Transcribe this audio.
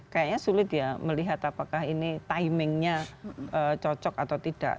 kayaknya sulit ya melihat apakah ini timingnya cocok atau tidak